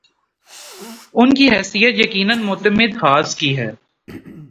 ‘ ان کی حیثیت یقینا معتمد خاص کی ہے۔